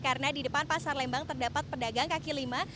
karena di depan pasar lembang terdapat pedagang kaki lima